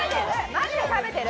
マジで食べてる！